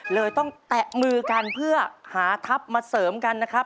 เลยต้องแตะมือกันเพื่อหาทัพมาเสริมกันนะครับ